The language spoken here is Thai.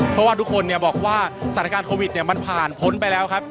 เพราะว่าทุกคนบอกว่าสถานการณ์โควิดมันผ่านพ้นไปแล้วครับ